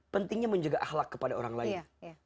pentingnya menjaga ahlak kepada orang lain